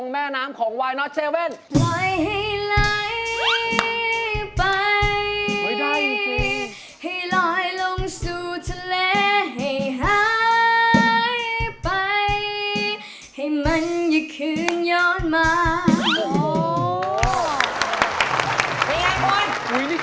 เป็นยังไงคน